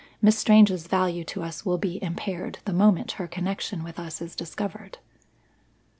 Miss Strange's value to us will be impaired the moment her connection with us is discovered."